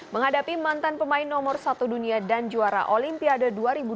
menghadapi mantan pemain nomor satu dunia dan juara olimpiade